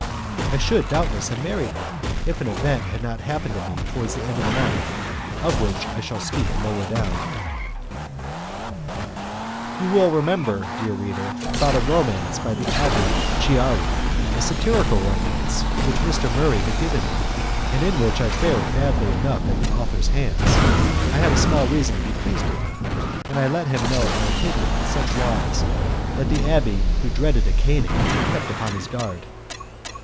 I should doubtless have married her, if an event had not happened to me towards the end of the month, of which I shall speak lower down. You will remember, dear reader, about a romance by the Abbé Chiari, a satirical romance which Mr. Murray had given me, and in which I fared badly enough at the author's hands I had small reason to be pleased with him, and I let him know my opinion in such wise that the abbé who dreaded a caning, kept upon his guard.